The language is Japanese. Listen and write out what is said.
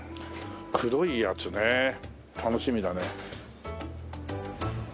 黒いやつね楽しみだね。